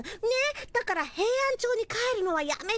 だからヘイアンチョウに帰るのはやめてさ。